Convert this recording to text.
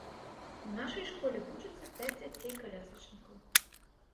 У нашай школе вучацца пяць дзяцей-калясачнікаў.